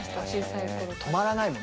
小さい頃。